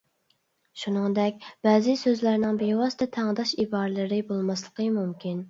شۇنىڭدەك، بەزى سۆزلەرنىڭ بىۋاسىتە تەڭداش ئىبارىلىرى بولماسلىقى مۇمكىن.